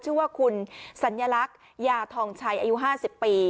ชื่อว่าคุณสัญลักษณ์ยาทองชัยอายุ๕๐ปี